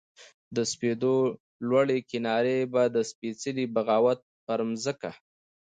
د سپېدو لوړې کنارې به د سپیڅلې بغاوت پر مځکه